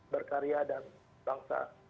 berkarya dan bangsa